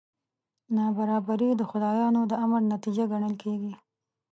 نابرابري د خدایانو د امر نتیجه ګڼل کېږي.